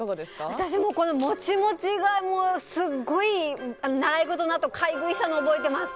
私も、もちもちがすごい、習い事のあと買い食いしたの覚えてます。